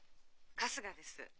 春日です。